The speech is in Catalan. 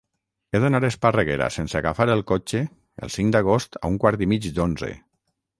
He d'anar a Esparreguera sense agafar el cotxe el cinc d'agost a un quart i mig d'onze.